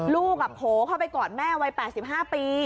ลูกอะโหเข้าไปกรรมแม่วัย๘๕ปี